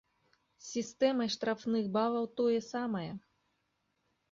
З сістэмай штрафных балаў тое самае.